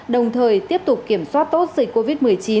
đồng thời tiếp tục kiểm soát tốt dịch covid một mươi chín